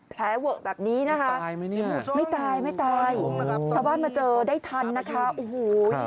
แผลเวอะแบบนี้นะคะไม่ตายไม่ตายชาวบ้านมาเจอได้ทันนะคะโอ้โห